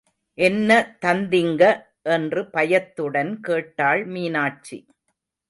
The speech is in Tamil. என்ன தந்திங்க என்று பயத்துடன் கேட்டாள் மீனாட்சி.